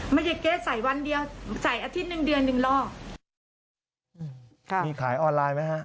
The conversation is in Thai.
ไม่เก๊ใส่วันเดียวใส่อาทิตย์หนึ่งเดือนหนึ่งรอ